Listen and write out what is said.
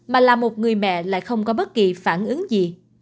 mà là một người mẹ lại không có bất kỳ phản ứng gì